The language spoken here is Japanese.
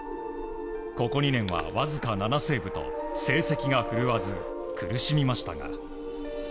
ここ２年はわずか７セーブと成績が振るわず苦しみましたが。